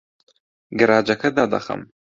گەراجەکە دادەخەم.